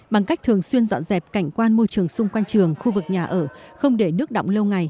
bằng cách thường xuyên dọn dẹp cảnh quan môi trường xung quanh trường khu vực nhà ở không để nước đọng lâu ngày